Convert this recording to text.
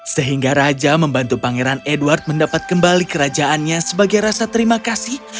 sehingga raja membantu pangeran edward mendapat kembali kerajaannya sebagai rasa terima kasih